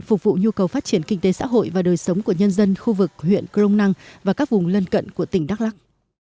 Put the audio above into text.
phục vụ nhu cầu phát triển kinh tế xã hội và đời sống của nhân dân khu vực huyện crong năng và các vùng lân cận của tỉnh đắk lắc